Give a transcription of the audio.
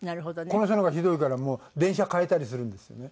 この人の方がひどいからもう電車変えたりするんですよね。